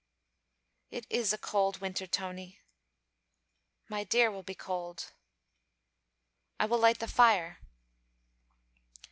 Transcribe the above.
'It is a cold winter, Tony.' 'My dear will be cold.' 'I will light the fire.'